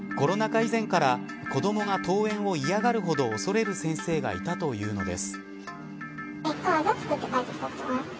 以前から子どもが登園を嫌がるほど恐れる先生がいたというのです。